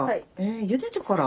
ゆでてから？